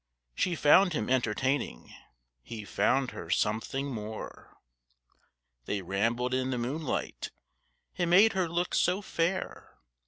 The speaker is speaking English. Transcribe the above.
She found him entertaining, He found her something more. They rambled in the moonlight; It made her look so fair.